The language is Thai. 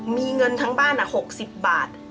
มีเงินทั้งบ้าน๖๐บาท